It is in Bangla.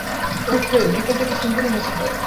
ওহ ফ্রেড, বিকেলটা কি সুন্দরই না ছিল।